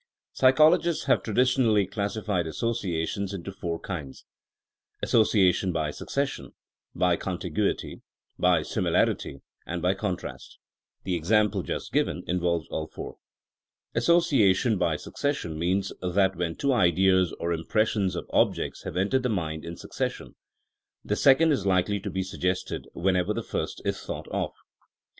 Psychologists have traditionally classified associations into four kinds t association by succession, by contiguity, by similarity and by contrast. The example just given involves all four. Association by succession means that when two ideas or im pressions of objects have entered the mind in succession, the second is likely to be suggested whenever the first is thought of.